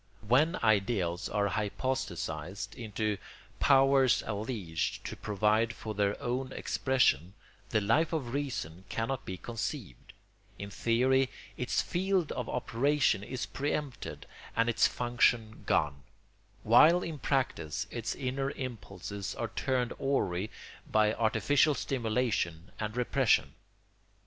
When ideals are hypostasised into powers alleged to provide for their own expression, the Life of Reason cannot be conceived; in theory its field of operation is pre empted and its function gone, while in practice its inner impulses are turned awry by artificial stimulation and repression.